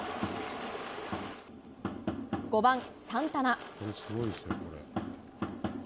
５番、サンタナ。